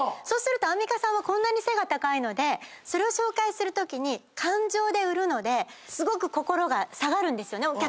そうするとアンミカさんは背が高いのでそれを紹介するとき感情で売るのですごく心が下がるんですよね。